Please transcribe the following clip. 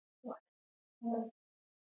دښتې د افغانستان د امنیت په اړه هم اغېز لري.